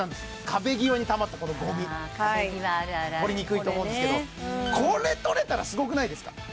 壁際にたまったゴミあ壁際あるあるある取りにくいと思うんですけどこれ取れたらすごくないですか？